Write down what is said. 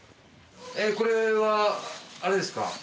これはあれですか。